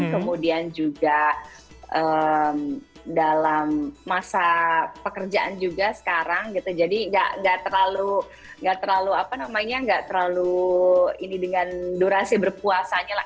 kemudian juga dalam masa pekerjaan juga sekarang gitu jadi gak terlalu apa namanya nggak terlalu ini dengan durasi berpuasanya lah